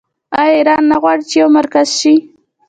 آیا ایران نه غواړي چې یو مرکز شي؟